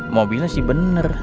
mobilnya sih bener